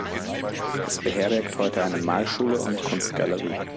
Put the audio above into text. Es beherbergt heute eine Malschule und Kunstgalerie.